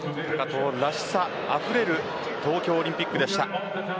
らしさあふれる東京オリンピックでした。